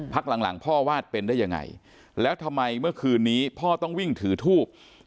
หลังหลังพ่อวาดเป็นได้ยังไงแล้วทำไมเมื่อคืนนี้พ่อต้องวิ่งถือทูบ